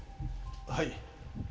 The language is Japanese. はい。